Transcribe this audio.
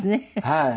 はい。